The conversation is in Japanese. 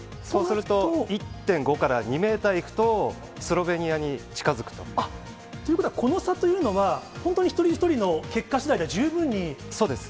そうすると１．５から２メートルいくと、スロベニアに近づくと。ということはこの差というのは、本当に一人一人の結果しだいでは、十分に？